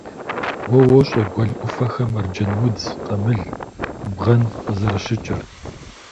Уэ уощӀэ гуэл Ӏуфэхэм арджэнудз, къамыл, бгъэн къызэрыщыкӀыр.